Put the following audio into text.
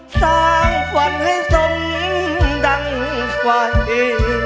สร้างฝันให้ทรงดังไฟ